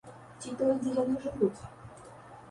Ці той, дзе яны жывуць?